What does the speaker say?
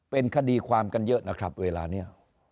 เป็นคดีความกันเยอะนะครับเวลานี้